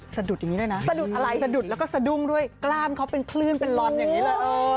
สะดุดอย่างนี้ด้วยนะสะดุดอะไรสะดุดแล้วก็สะดุ้งด้วยกล้ามเขาเป็นคลื่นเป็นลอนอย่างนี้เลย